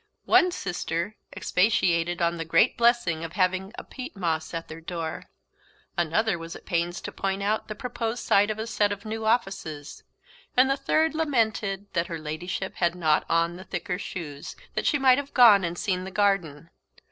One sister expatiated on the great blessing of having a peat moss at their door; another was at pains to point out the purposed site of a set of new offices; and the third lamented that her Ladyship had not on thicker shoes, that she might have gone and seen the garden.